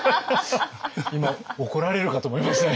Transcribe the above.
今怒られるかと思いました。